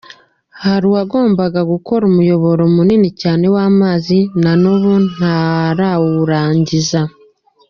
Hari uwagombaga gukora umuyoboro munini cyane w’amazi, na nubu ntarawurangiza.